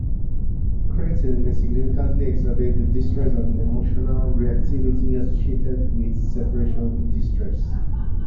Crating "may significantly exacerbate the distress and emotional reactivity associated with separation distress".